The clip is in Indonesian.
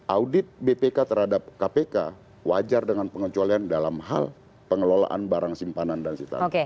audit bpk terhadap kpk wajar dengan pengecualian dalam hal pengelolaan barang simpanan dan sitan